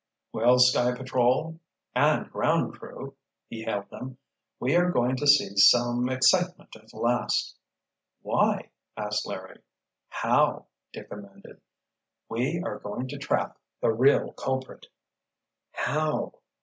"Well, Sky Patrol—and Ground Crew," he hailed them. "We are going to see some excitement at last!" "Why?" asked Larry. "How?" Dick amended. "We are going to trap the real culprit." "How?"